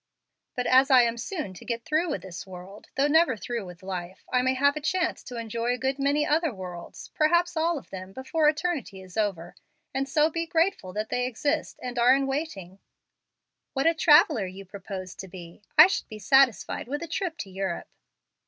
But as I am soon to get through with this world, though never through with life, I may have a chance to enjoy a good many other worlds perhaps all of them before eternity is over, and so be grateful that they exist and are in waiting." "Good heavens!" exclaimed Lottie. "What a traveller you propose to be. I should be satisfied with a trip to Europe."